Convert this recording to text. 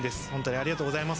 ありがとうございます。